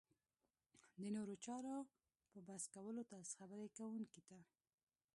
د نورو چارو په بس کولو تاسې خبرې کوونکي ته